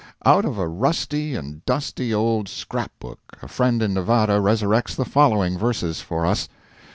Out of a rusty and dusty old scrap book a friend in Nevada resurrects the following verses for us.